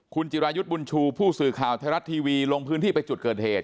คุณจิรายุทธ์บุญชูผู้สื่อข่าวไทยรัฐทีวีลงพื้นที่ไปจุดเกิดเหตุ